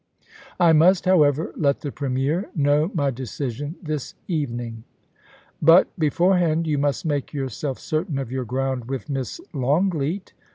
I must, however, let the Premier know my decision this evening.' * But beforehand you must make yourself certain of your ground with Miss Longleat.